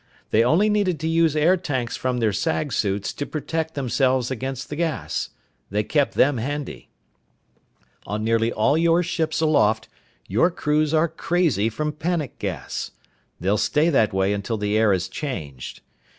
They only needed to use air tanks from their sag suits to protect themselves against the gas. They kept them handy. "On nearly all your ships aloft your crews are crazy from panic gas. They'll stay that way until the air is changed.